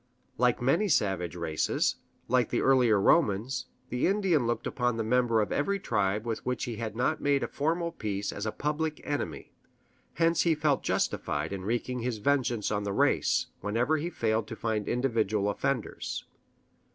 Like many savage races, like the earlier Romans, the Indian looked upon the member of every tribe with which he had not made a formal peace as a public enemy; hence he felt justified in wreaking his vengeance on the race, whenever he failed to find individual offenders.